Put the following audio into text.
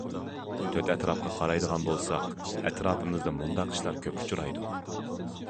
تۆت ئەتراپقا قارايدىغان بولساق، ئەتراپىمىزدا مۇنداق ئىشلار كۆپ ئۇچرايدۇ.